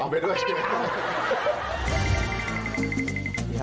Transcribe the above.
เอาไปด้วยนะฮะ